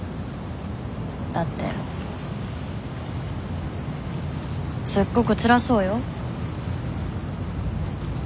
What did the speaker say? だってすっごくつらそうよ。